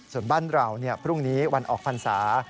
ส่วนบ้านเราพรุ่งนี้วันออกพรรษา